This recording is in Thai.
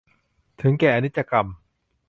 ถึงแก่อนิจกรรม